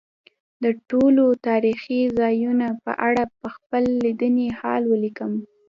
د ټولو تاریخي ځایونو په اړه به خپل لیدلی حال ولیکم.